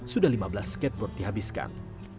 sudah lima belas skateboard dihabiskan